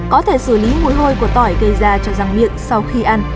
có thể xử lý mùi hôi của tỏi gây ra cho răng miệng sau khi ăn